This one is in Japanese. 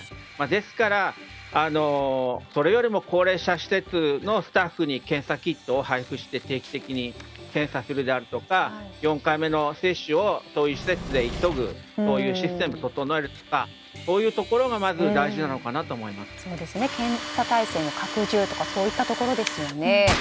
ですから、それよりも高齢者施設のスタッフに検査キットを配布して、定期的に検査するであるとか４回目接種をそういう施設で急ぐそういうシステムを整えるとかそういうところが検査体制の拡充とかそういったところですよね。